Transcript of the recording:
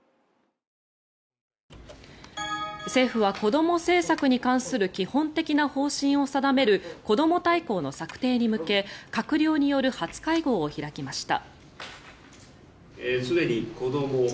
政府は、こども政策に関する基本的な方針を定めるこども大綱の策定に向け閣僚による初会合を開きました。